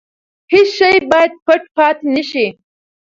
هیڅ شی باید پټ پاتې نه شي.